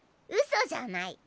うそじゃない。